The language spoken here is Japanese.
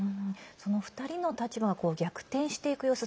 その２人の立場が逆転していく様子